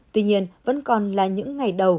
tuy nhiên vẫn còn là những ngày đầu